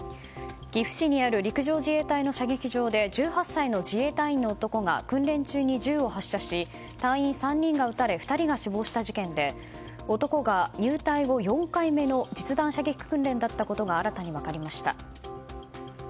岐阜市にある陸上自衛隊の射撃場で１８歳の自衛隊員の男が訓練中に銃を発射し隊員３人が撃たれ２人が死亡した事件で男が入隊後４回目の実弾射撃訓練だったことが新たに分かりました。